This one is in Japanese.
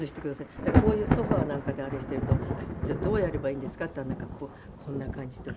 だからこういうソファなんかであれしてると「じゃあどうやればいいんですか」って言ったらこんな感じとか。